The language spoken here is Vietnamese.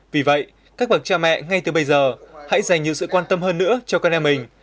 vì vậy các bậc cha mẹ ngay từ bây giờ hãy dành nhiều sự quan tâm hơn nữa cho con em mình